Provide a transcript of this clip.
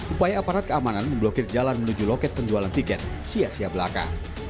upaya aparat keamanan memblokir jalan menuju loket penjualan tiket sia sia belaka